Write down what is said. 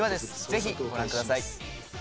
ぜひご覧ください。